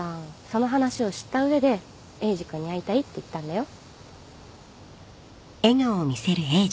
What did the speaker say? その話を知った上でエイジ君に会いたいって言ったんだよ。